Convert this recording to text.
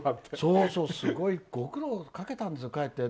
すごい、ご苦労かけたんですよかえって。